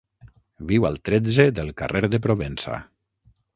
Viu al tretze del carrer de Provença.